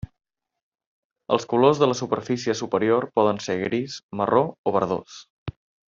Els colors de la superfície superior poden ser gris, marró o verdós.